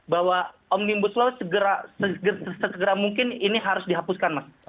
bahwa omnibus law segera mungkin ini harus dihapuskan mas